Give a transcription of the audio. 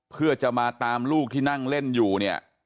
เพื่อจะมาตามลูกที่นั่งเล่นอยู่เนี่ย